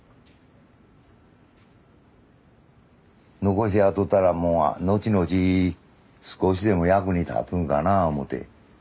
残してやっとったらもう後々少しでも役に立つんかな思て。